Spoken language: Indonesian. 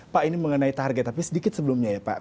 pak ini mengenai target tapi sedikit sebelumnya ya pak